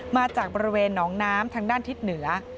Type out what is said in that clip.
มาจากบริเวณหนองน้ำทางด้านทิศเหนือ